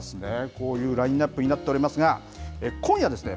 こういうラインアップになっておりますが今夜ですね